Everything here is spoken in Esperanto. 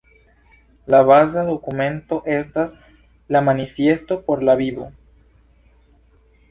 La baza dokumento estas la “Manifesto por la vivo“.